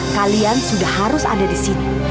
kalian sudah harus ada di sini